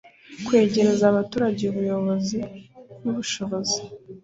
kwegereza abaturage ubuyobozi n'ubushobozi